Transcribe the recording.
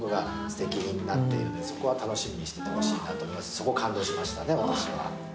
そこ感動しましたね、私は。